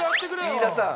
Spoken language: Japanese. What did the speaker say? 飯田さん！